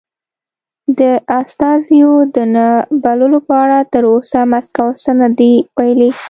د استازیو د نه بللو په اړه تر اوسه مسکو څه نه دې ویلي.